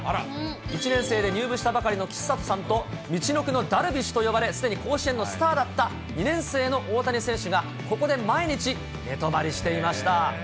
１年生で入部したばかりの岸里さんと、みちのくのダルビッシュと呼ばれ、すでに甲子園のスターだった２年生の大谷選手が、ここで毎日、寝泊まりしていました。